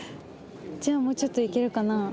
じゃあもうちょっといけるかな？